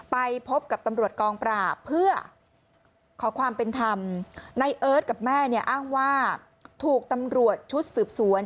ไปพบกับตำรวจกองปราบเพื่อขอความเป็นธรรมในเอิร์ทกับแม่เนี่ยอ้างว่าถูกตำรวจชุดสืบสวน